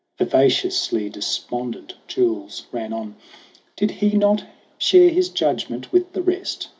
Vivaciously despondent, Jules ran on. 'Did he not share his judgment with the rest